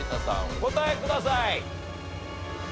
お答えください。